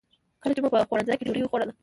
کله چې مو په خوړنځای کې ډوډۍ خوړله.